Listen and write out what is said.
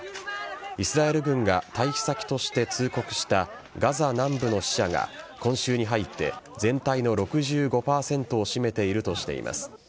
イスラエル軍が退避先として通告したガザ南部の死者が今週に入って全体の６５％を占めているとしています。